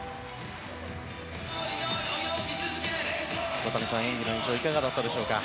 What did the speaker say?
小谷さん、演技の印象いかがだったでしょうか。